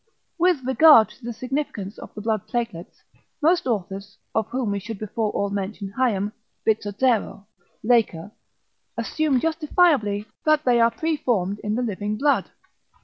With regard to the significance of the blood platelets, most authors, of whom we should before all mention Hayem, Bizzozero, Laker, assume justifiably that they are preformed in the living blood.